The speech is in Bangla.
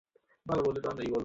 দর্শকদের প্রচণ্ড ভীর ছিল।